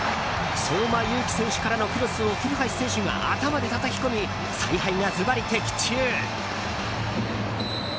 相馬勇紀選手からのクロスを古橋選手が頭でたたき込み采配がズバリ的中。